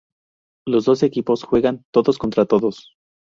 Los doce equipos juegan todos contra todos.